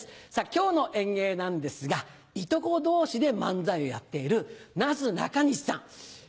今日の演芸なんですがいとこ同士で漫才をやっているなすなかにしさん。